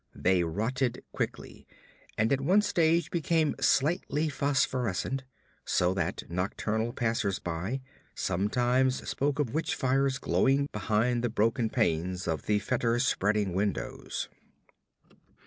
They rotted quickly, and at one stage became slightly phosphorescent; so that nocturnal passers by sometimes spoke of witch fires glowing behind the broken panes of the fetor spreading windows.